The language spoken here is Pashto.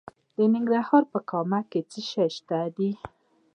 د ننګرهار په کامه کې د څه شي نښې دي؟